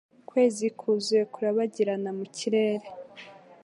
Ukwezi kuzuye kurabagirana mu kirere.